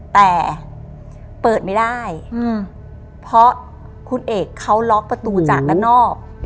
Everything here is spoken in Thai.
แต่เปิดไม่ได้เพราะคุณเอกเขาล็อกประตูจากด้านนอก